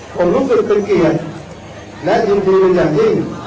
ผมรู้สึกเป็นเกียรติและยินดีเป็นอย่างยิ่ง